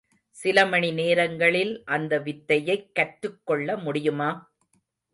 சிலமணி நேரங்களில் அந்த வித்தையைக் கற்றுக்கொள்ள முடியுமா?